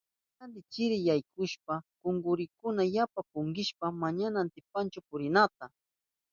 Yayayni chiri yaykushpan kunkurinkuna yapa punkishpan manaña atipanchu purinata.